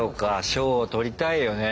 賞を取りたいよね。